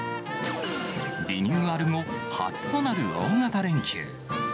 リニューアル後、初となる大型連休。